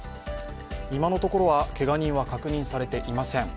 今のところはけが人は確認されていません。